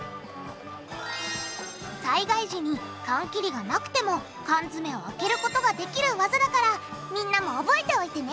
災害時に缶切りがなくても缶詰を開けることができるワザだからみんなも覚えておいてね！